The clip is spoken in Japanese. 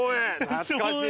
懐かしい。